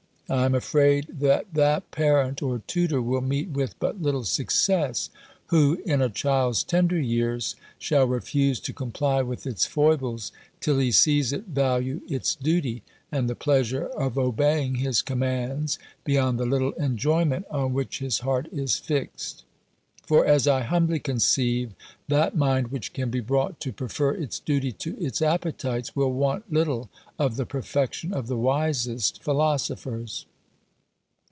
I am afraid that that parent or tutor will meet with but little success, who, in a child's tender years, shall refuse to comply with its foibles, till he sees it value its duty, and the pleasure of obeying his commands, beyond the little enjoyment on which his heart is fixed. For, as I humbly conceive, that mind which can be brought to prefer its duty to its appetites, will want little of the perfection of the wisest philosophers.